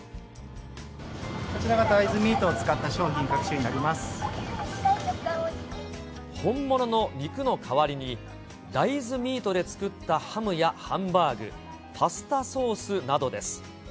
こちらが大豆ミートを使った本物の肉の代わりに、大豆ミートで作ったハムやハンバーグ、パスタソースなどです。